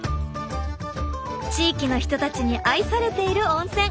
地域の人たちに愛されている温泉。